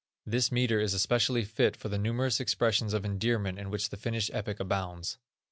This metre is especially fit for the numerous expressions of endearment in which the Finnish epic abounds.